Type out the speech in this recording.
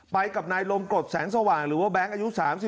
ไปกับนายลมกรดแสงสว่างหรือว่าแบงค์อายุ๓๒